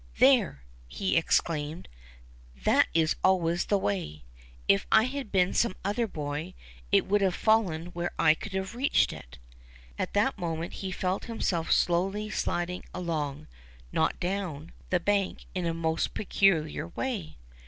There!'' he exclaimed, ^^that is always the way; If I had been some other boy, it would have fallen where I could have reached it !" At that moment he felt himself slowly sliding along, not down, the bank in a most peculiar way.